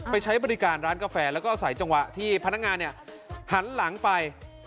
ใช้บริการร้านกาแฟแล้วก็อาศัยจังหวะที่พนักงานเนี่ยหันหลังไป